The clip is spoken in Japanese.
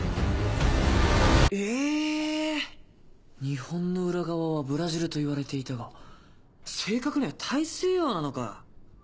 日本の裏側はブラジルといわれていたが正確には大西洋なのか。